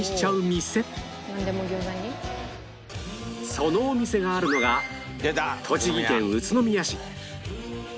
そのお店があるのが栃木県宇都宮市